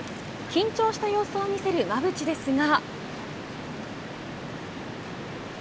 緊張した様子を見せる馬淵ですが。